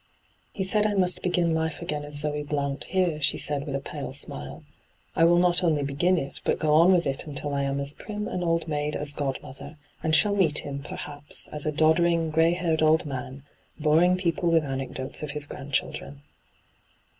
' He s^d I most begin life again as Zoe Blount here,' she said with a pale smile. ' I will not only begin it, but go on with it until I am as prim an old maid as godmother, and shall meet him, perhaps, as a doddering, grey haired old man, boring people with anecdotes of his grandchildren.'